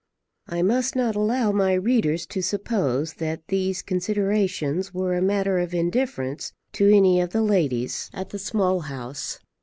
I must not allow my readers to suppose that these considerations were a matter of indifference to any of the ladies at the Small House.